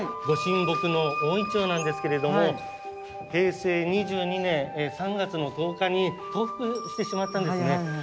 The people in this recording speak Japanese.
御神木の大銀杏なんですけれども平成２２年３月の１０日に倒伏してしまったんですね。